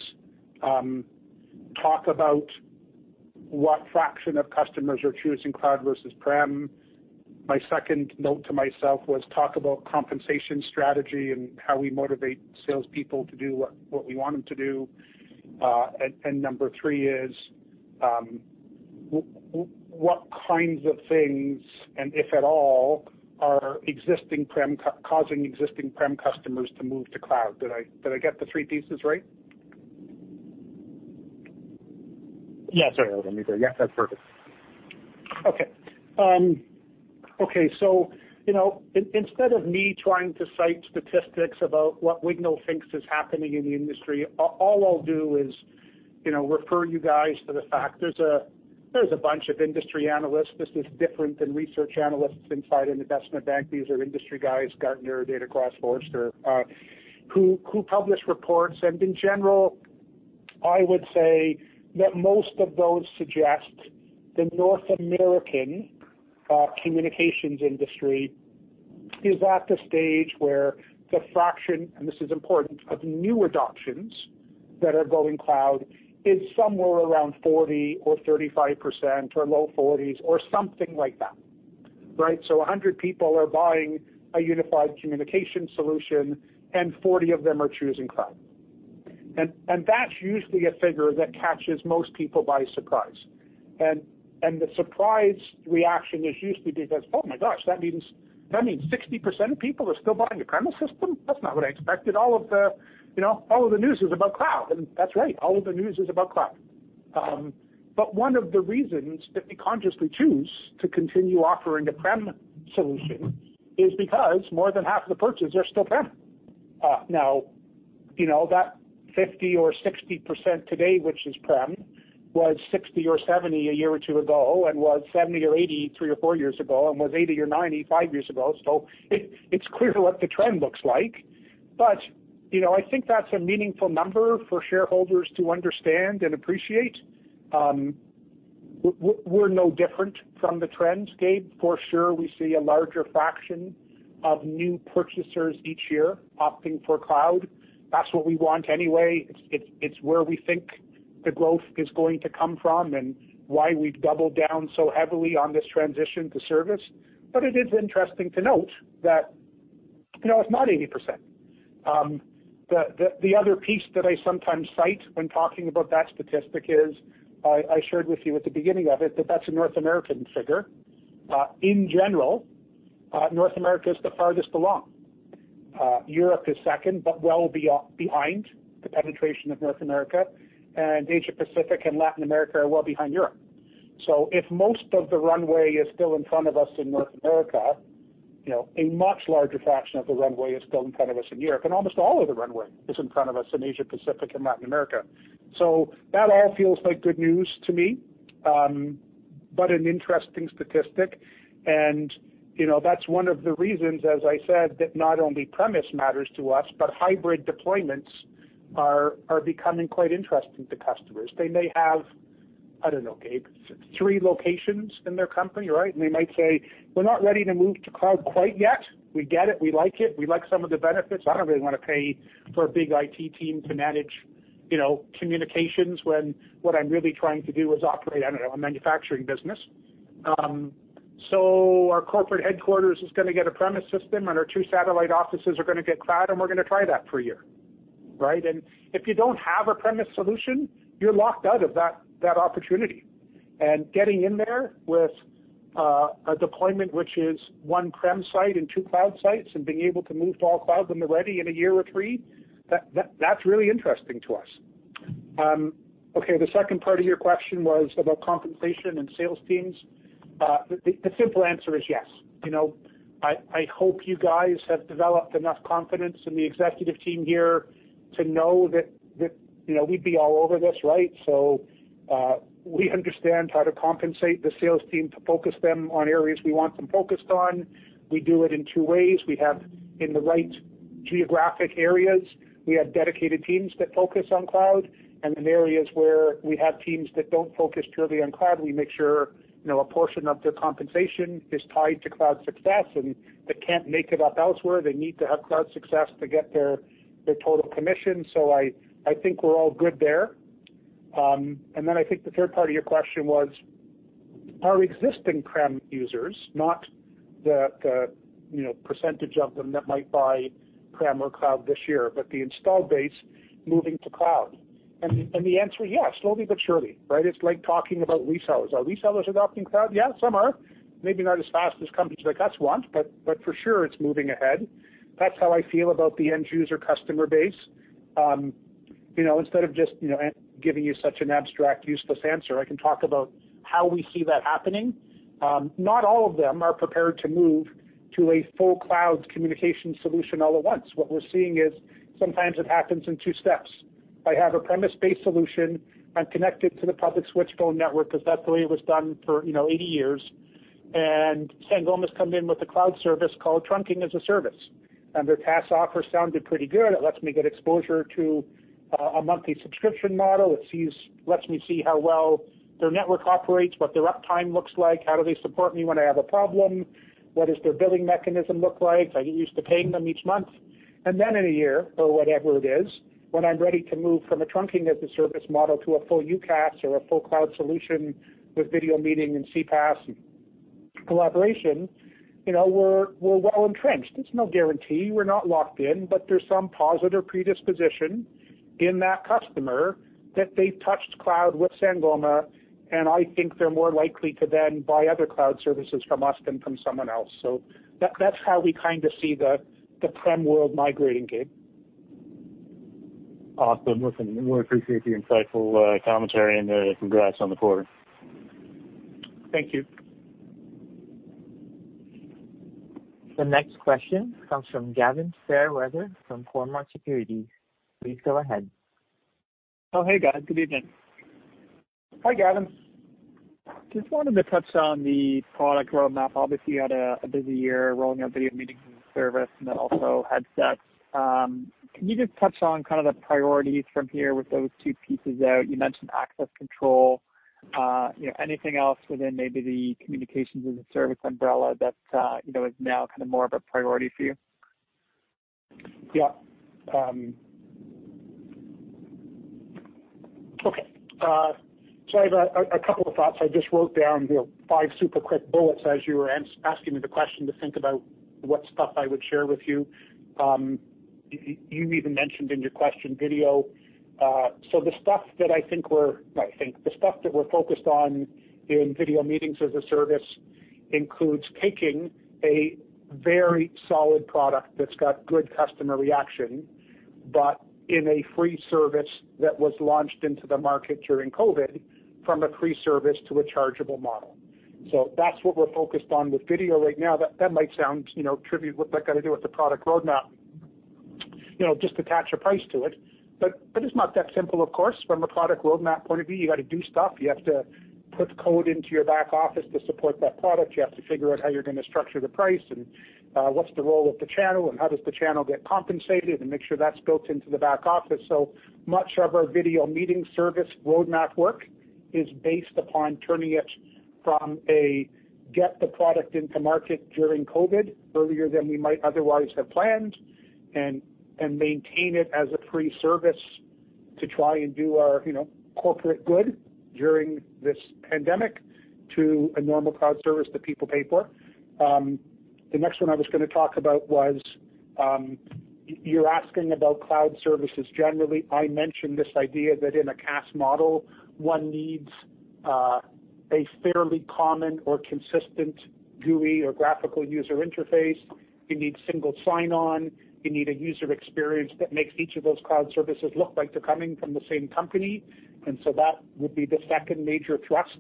talk about what fraction of customers are choosing cloud versus prem. My second note to myself was talk about compensation strategy and how we motivate salespeople to do what we want them to do. Number three is, what kinds of things, and if at all, are causing existing prem customers to move to cloud? Did I get the three pieces right? Yes. Yeah, that's perfect. Okay. Instead of me trying to cite statistics about what Wignall thinks is happening in the industry, all I'll do is refer you guys to the fact there's a bunch of industry analysts. This is different than research analysts inside an investment bank. These are industry guys, Gartner, DataCross, Forrester, who publish reports. In general, I would say that most of those suggest the North American communications industry is at the stage where the fraction, and this is important, of new adoptions that are going cloud is somewhere around 40% or 35% or low 40s or something like that. Right? 100 people are buying a unified communication solution, and 40 of them are choosing cloud. That's usually a figure that catches most people by surprise. The surprise reaction is usually because, "Oh, my gosh, that means 60% of people are still buying a premise system?" That's not what I expected. All of the news is about cloud. That's right, all of the news is about cloud. One of the reasons that we consciously choose to continue offering the prem solution is because more than half of the purchases are still prem. That 50%-60% today, which is prem, was 60%-70% a year or two ago, and was 70%-80% three or four years ago, and was 80%-90% five years ago. It's clear what the trend looks like. I think that's a meaningful number for shareholders to understand and appreciate. We're no different from the trends, Gabe. For sure, we see a larger fraction of new purchasers each year opting for cloud. That's what we want anyway. It's where we think the growth is going to come from and why we've doubled down so heavily on this transition to service. It is interesting to note that it's not 80%. The other piece that I sometimes cite when talking about that statistic is, I shared with you at the beginning of it, that that's a North American figure. In general, North America is the farthest along. Europe is second, but well behind the penetration of North America, and Asia-Pacific and Latin America are well behind Europe. If most of the runway is still in front of us in North America, a much larger fraction of the runway is still in front of us in Europe, and almost all of the runway is in front of us in Asia-Pacific and Latin America. That all feels like good news to me, but an interesting statistic. That's one of the reasons, as I said, that not only premise matters to us, but hybrid deployments are becoming quite interesting to customers. They may have, I don't know, Gabe, three locations in their company, right? They might say, "We're not ready to move to cloud quite yet. We get it, we like it, we like some of the benefits. I don't really want to pay for a big IT team to manage communications when what I'm really trying to do is operate, I don't know, a manufacturing business. Our corporate headquarters is going to get a premise system, and our two satellite offices are going to get cloud, and we're going to try that for a year." Right? If you don't have a premise solution, you're locked out of that opportunity. Getting in there with a deployment which is one prem site and two cloud sites and being able to move to all cloud when they're ready in a year or three, that's really interesting to us. Okay, the second part of your question was about compensation and sales teams. The simple answer is yes. I hope you guys have developed enough confidence in the executive team here to know that we'd be all over this, right? We understand how to compensate the sales team to focus them on areas we want them focused on. We do it in two ways. In the right geographic areas, we have dedicated teams that focus on cloud, and in areas where we have teams that don't focus purely on cloud, we make sure a portion of their compensation is tied to cloud success, and they can't make it up elsewhere. They need to have cloud success to get their total commission. I think we're all good there. I think the third part of your question was, are existing prem users, not the percentage of them that might buy prem or cloud this year, but the install base moving to cloud? The answer, yes, slowly but surely, right? It's like talking about resellers. Are resellers adopting cloud? Yeah, some are. Maybe not as fast as companies like us want, for sure it's moving ahead. That's how I feel about the end user customer base. Instead of just giving you such an abstract, useless answer, I can talk about how we see that happening. Not all of them are prepared to move to a full cloud communication solution all at once. What we're seeing is sometimes it happens in two steps. I have a premise-based solution. I'm connected to the public switch phone network because that's the way it was done for 80 years. Sangoma has come in with a cloud service called Trunking-as-a-Service, and their TaaS offer sounded pretty good. It lets me get exposure to a monthly subscription model. It lets me see how well their network operates, what their uptime looks like, how do they support me when I have a problem, what does their billing mechanism look like? I get used to paying them each month. Then in a year, or whatever it is, when I'm ready to move from a Trunking-as-a-Service model to a full UCaaS or a full cloud solution with video meeting and CPaaS and collaboration, we're well-entrenched. It's no guarantee, we're not locked in, but there's some positive predisposition in that customer that they've touched cloud with Sangoma, and I think they're more likely to then buy other cloud services from us than from someone else. That's how we kind of see the prem world migrating, Gabe. Awesome. Listen, we appreciate the insightful commentary and congrats on the quarter. Thank you. The next question comes from Gavin Fairweather from Cormark Securities. Please go ahead. Oh, hey, guys. Good evening. Hi, Gavin. Just wanted to touch on the product roadmap. Obviously, you had a busy year rolling out video meetings as a service and then also headsets. Can you just touch on kind of the priorities from here with those two pieces out? You mentioned access control. Anything else within maybe the Communications as a Service umbrella that is now kind of more of a priority for you? Okay. I have a couple of thoughts. I just wrote down five super quick bullets as you were asking me the question to think about what stuff I would share with you. You even mentioned in your question video. The stuff that we're focused on in video meetings as a service includes taking a very solid product that's got good customer reaction, but in a free service that was launched into the market during COVID from a free service to a chargeable model. That's what we're focused on with video right now. That might sound trivial. What's that got to do with the product roadmap? Just attach a price to it. It's not that simple, of course, from a product roadmap point of view. You got to do stuff. You have to put code into your back office to support that product. You have to figure out how you're going to structure the price, and what's the role of the channel, and how does the channel get compensated, and make sure that's built into the back office. Much of our video meeting service roadmap work is based upon turning it from a get the product into market during COVID-19, earlier than we might otherwise have planned, and maintain it as a free service to try and do our corporate good during this pandemic to a normal cloud service that people pay for. The next one I was going to talk about was, you're asking about cloud services generally. I mentioned this idea that in a CaaS model, one needs a fairly common or consistent GUI or graphical user interface. You need single sign-on. You need a user experience that makes each of those cloud services look like they're coming from the same company. That would be the second major thrust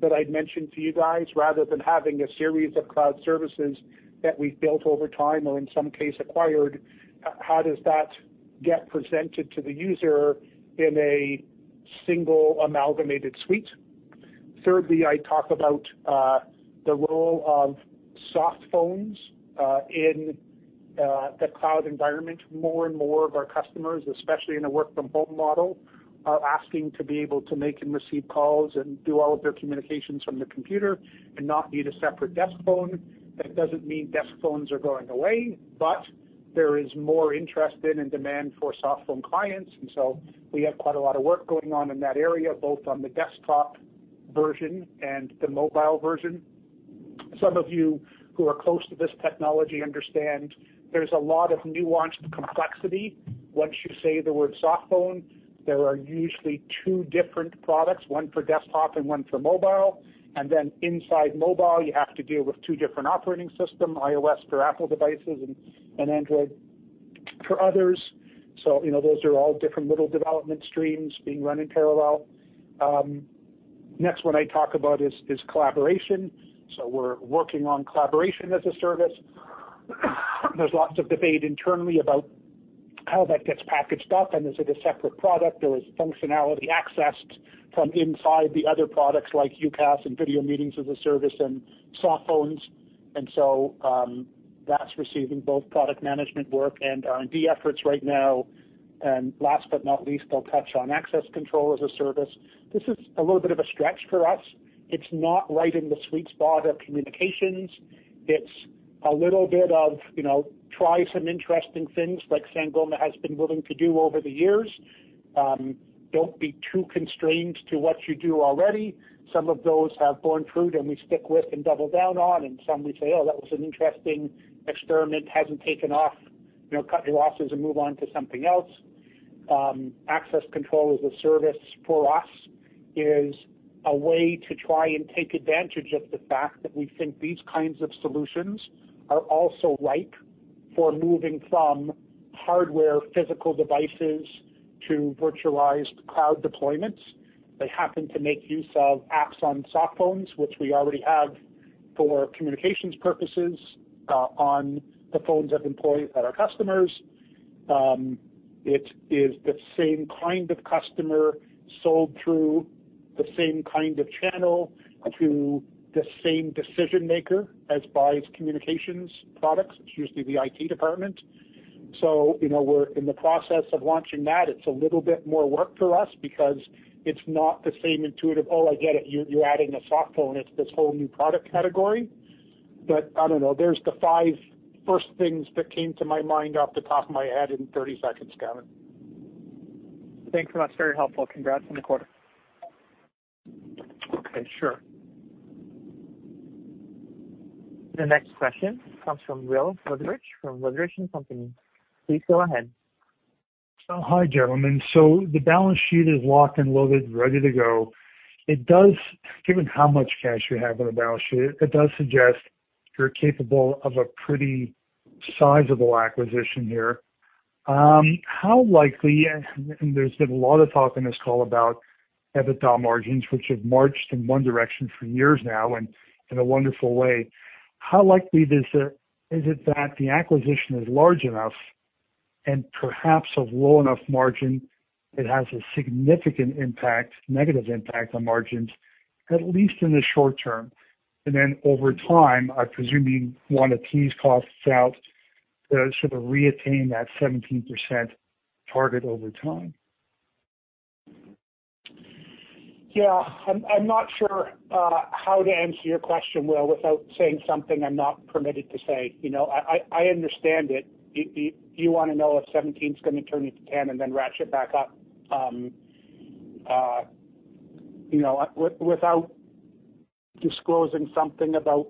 that I'd mentioned to you guys, rather than having a series of cloud services that we've built over time or in some case acquired. How does that get presented to the user in a single amalgamated suite? Thirdly, I talk about the role of softphones in the cloud environment. More and more of our customers, especially in a work from home model, are asking to be able to make and receive calls and do all of their communications from the computer and not need a separate desk phone. That doesn't mean desk phones are going away, but there is more interest in and demand for softphone clients, and so we have quite a lot of work going on in that area, both on the desktop version and the mobile version. Some of you who are close to this technology understand there's a lot of nuanced complexity. Once you say the word softphone, there are usually two different products, one for desktop and one for mobile. Inside mobile, you have to deal with two different operating system, iOS for Apple devices and Android for others. Those are all different little development streams being run in parallel. Next one I talk about is collaboration. We're working on collaboration as a service. There's lots of debate internally about how that gets packaged up, and is it a separate product or is functionality accessed from inside the other products like UCaaS and video meetings as a service and softphones. That's receiving both product management work and R&D efforts right now. Last but not least, I'll touch on access control as a service. This is a little bit of a stretch for us. It's not right in the sweet spot of communications. It's a little bit of try some interesting things like Sangoma has been willing to do over the years. Don't be too constrained to what you do already. Some of those have borne fruit, and we stick with and double down on, and some we say, "Oh, that was an interesting experiment. Hasn't taken off. Cut your losses and move on to something else." Access control as a service for us is a way to try and take advantage of the fact that we think these kinds of solutions are also ripe for moving from hardware physical devices to virtualized cloud deployments. They happen to make use of apps on softphones, which we already have for communications purposes on the phones of employees at our customers. It is the same kind of customer sold through the same kind of channel to the same decision maker as buys communications products. It's usually the IT department. We're in the process of launching that. It's a little bit more work for us because it's not the same intuitive, "Oh, I get it. You're adding a softphone." It's this whole new product category. I don't know. There's the five first things that came to my mind off the top of my head in 30 seconds, Gavin. Thanks so much. Very helpful. Congrats on the quarter. Okay, sure. The next question comes from Will Witheridge from Witheridge and Company. Please go ahead. Hi, gentlemen. The balance sheet is locked and loaded, ready to go. Given how much cash you have on the balance sheet, it does suggest you're capable of a pretty sizable acquisition here. There's been a lot of talk on this call about EBITDA margins, which have marched in one direction for years now and in a wonderful way. How likely is it that the acquisition is large enough and perhaps of low enough margin, it has a significant impact, negative impact on margins, at least in the short term? Then over time, I presume you want to tease costs out to sort of reattain that 17% target over time. I'm not sure how to answer your question, Will, without saying something I'm not permitted to say. I understand it. You want to know if 17's going to turn into 10 and then ratchet back up. Without disclosing something about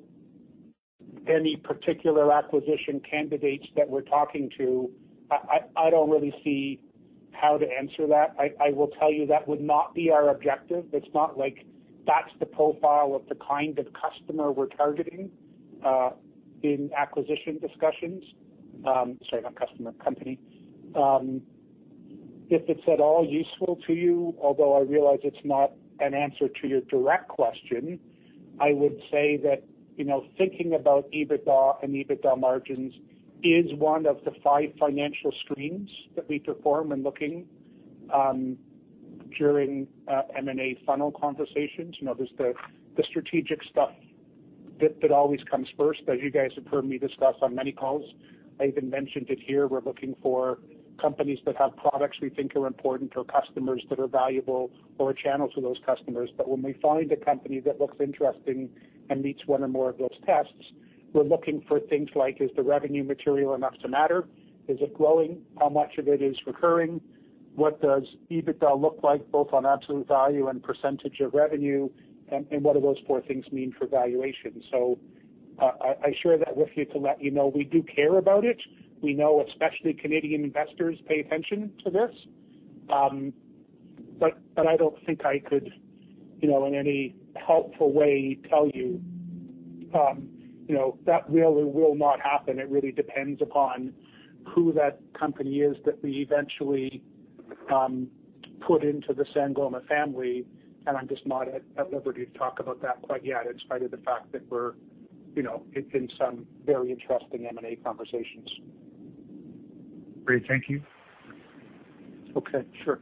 any particular acquisition candidates that we're talking to, I don't really see how to answer that. I will tell you that would not be our objective. It's not like that's the profile of the kind of customer we're targeting in acquisition discussions. Sorry, not customer, company. If it's at all useful to you, although I realize it's not an answer to your direct question, I would say that thinking about EBITDA and EBITDA margins is one of the five financial screens that we perform when looking during M&A funnel conversations. There's the strategic stuff that always comes first, as you guys have heard me discuss on many calls. I even mentioned it here. We're looking for companies that have products we think are important or customers that are valuable or channels for those customers. When we find a company that looks interesting and meets one or more of those tests, we're looking for things like, is the revenue material enough to matter? Is it growing? How much of it is recurring? What does EBITDA look like, both on absolute value and percentage of revenue? What do those four things mean for valuation? I share that with you to let you know we do care about it. We know especially Canadian investors pay attention to this. I don't think I could, in any helpful way, tell you that really will not happen. It really depends upon who that company is that we eventually put into the Sangoma family, and I'm just not at liberty to talk about that quite yet, in spite of the fact that we're in some very interesting M&A conversations. Great. Thank you. Okay. Sure.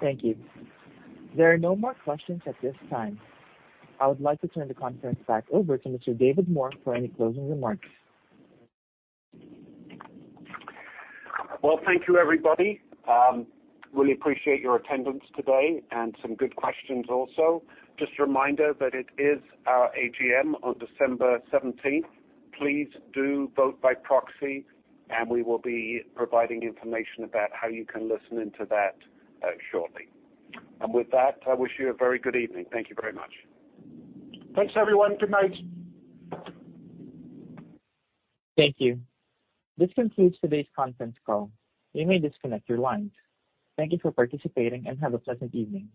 Thank you. There are no more questions at this time. I would like to turn the conference back over to Mr. David Moore for any closing remarks. Well, thank you, everybody. Really appreciate your attendance today and some good questions also. Just a reminder that it is our AGM on December 17th. Please do vote by proxy and we will be providing information about how you can listen into that shortly. With that, I wish you a very good evening. Thank you very much. Thanks, everyone. Good night. Thank you. This concludes today's conference call. You may disconnect your lines. Thank you for participating and have a pleasant evening.